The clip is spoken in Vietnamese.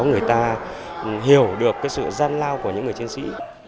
người ta hiểu được sự gian lao của những người chiến sĩ